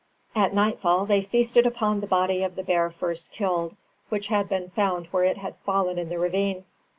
At nightfall they feasted upon the body of the bear first killed, which had been found where it had fallen in the ravine.